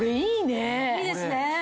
いいですね。